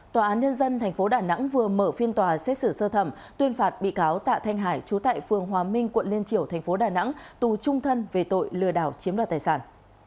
tòa án nhân dân tp đà nẵng vừa mở phiên tòa xét xử sơ thẩm tuyên phạt bị cáo tạ thanh hải trú tại phường hòa minh quận liên triểu tp đà nẵng tù trung thân về tội lừa đảo chiếm đoạt tài sản